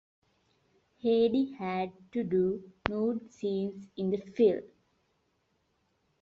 Headey had to do nude scenes in the film.